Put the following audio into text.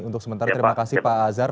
untuk sementara terima kasih pak azhar